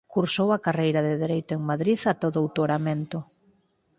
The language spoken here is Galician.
Cursou a carreira de Dereito en Madrid ata o doutoramento.